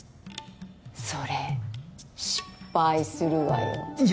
それ失敗するわよいや